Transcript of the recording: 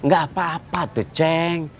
gak apa apa tuh ceng